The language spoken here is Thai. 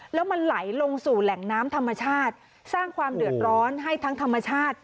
แล้วมันไหลลงสู่แหล่งน้ำธรรมชาติสร้างความเดือดร้อนให้ทั้งธรรมชาติ